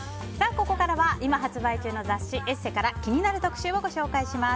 ここからは今発売中の雑誌「ＥＳＳＥ」から気になる特集をご紹介します。